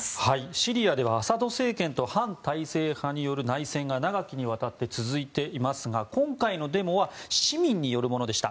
シリアではアサド政権と反体制派による内戦が長きにわたって続いていますが今回のデモは市民によるものでした。